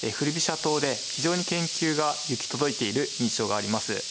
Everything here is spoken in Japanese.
党で非常に研究が行き届いている印象があります。